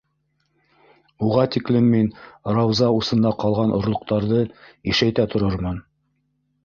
Уға тиклем мин Рауза усында ҡалған орлоҡтарҙы ишәйтә торормон.